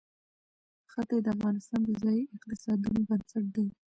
ښتې د افغانستان د ځایي اقتصادونو بنسټ دی.